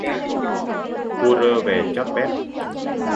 Cua rơ về chót bét